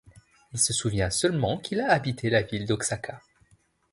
Il se souvient seulement qu'il a habité la ville Oxaca.